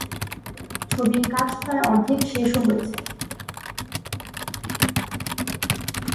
ছবির কাজ প্রায় অর্ধেক শেষও হয়েছে।